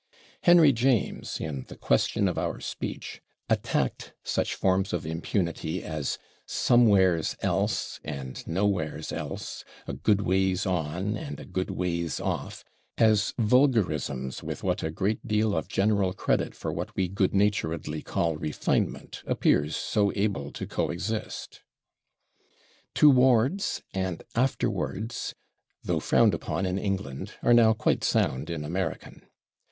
Henry James, in "The Question of Our Speech," attacked "such forms of impunity as /somewheres else/ and /nowheres else/, /a good ways on/ and /a good ways off/" as "vulgarisms with what a great deal of general credit for what we good naturedly call 'refinement' appears so able to coexist." /Towards/ and /afterwards/, though frowned upon in England, are now quite sound in American.